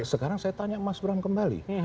sekarang saya tanya mas bram kembali